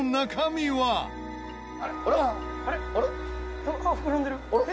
「あれ？